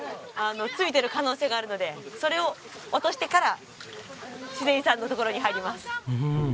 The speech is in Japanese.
ついてる可能性があるのでそれを落としてから自然遺産のところに入ります。